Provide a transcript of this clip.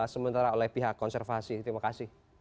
sementara oleh pihak konservasi terima kasih